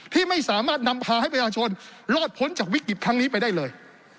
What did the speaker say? ที่ไม่สามารถนำพาให้ประชาชนรอดพ้นจากวิกฤตครั้งนี้ไปได้เลย